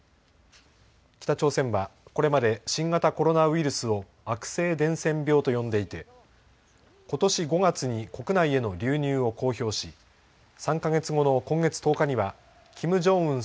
北朝鮮はこれまで新型コロナウイルスを悪性伝染病と呼んでいてことし５月に国内への流入を公表し３か月後の今月１０日にはキム・ジョンウン